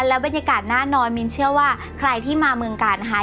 แล้วบรรยากาศหน้าน้อยมินเชื่อว่าใครที่มาเมืองกาลนะคะ